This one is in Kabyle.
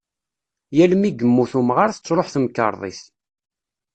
Yal mi yemmut umɣar tettruḥ temkerḍit.